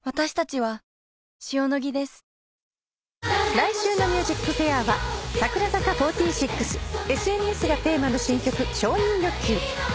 来週の『ＭＵＳＩＣＦＡＩＲ』は櫻坂４６ＳＮＳがテーマの新曲『承認欲求』